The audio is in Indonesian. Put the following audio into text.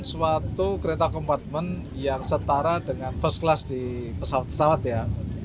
suatu kereta kompartmen yang setara dengan first class di pesawat pesawat ya